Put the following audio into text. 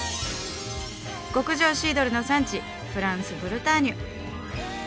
極上シードルの産地フランスブルターニュ。